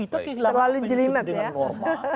terlalu jelimet ya